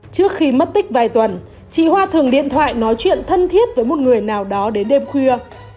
trước khi mất tích vài tuần chị hoa thường điện thoại nói chuyện thân thiết với một người nào đó đến đêm khuya